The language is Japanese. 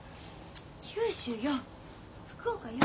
九州よ福岡よ。